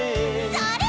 それ！